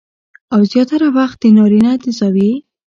او زياتره وخت د نارينه د زاويې